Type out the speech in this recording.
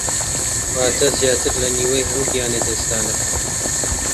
واتە زیاتر لە نیوەی هەموو گیانلەدەستدانەکان